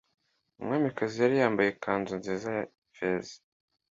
Umwamikazi yari yambaye ikanzu nziza ya feza.